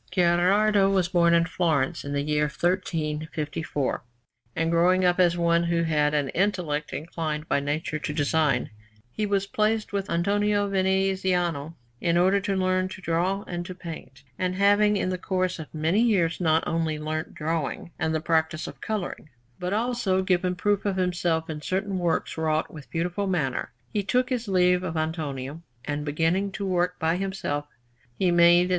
Gherardo was born in Florence in the year 1354, and growing up, as one who had an intellect inclined by nature to design, he was placed with Antonio Viniziano in order to learn to draw and to paint; and having in the course of many years not only learnt drawing and the practice of colouring, but also given proof of himself in certain works wrought with beautiful manner, he took his leave of Antonio, and beginning to work by himself he made in S.